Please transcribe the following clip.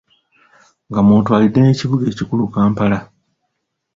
Nga mw’otwalidde n'ekibuga ekikulu Kampala.